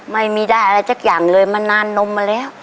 ไม่ได้อะไรสักอย่างเลยมานานนมมาแล้ว